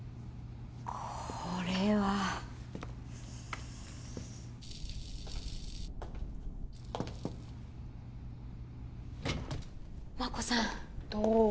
これは真子さんどう？